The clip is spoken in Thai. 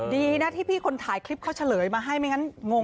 ดีนะที่พี่คนถ่ายคลิปเขาเฉลยมาให้ไม่งั้นงง